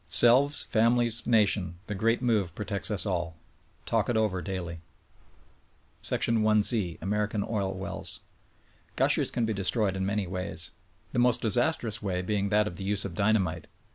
Selves, families, nation — the great move protects us all. Talk it over daily ! 30 SPY PROOF AMERICA IZ. American^ — Oil Wells. Gushers can be destroyed in many v/ays. The most disastrous way being that of the use of dynamite.